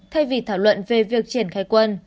thay vì thảo luận về việc triển khai quân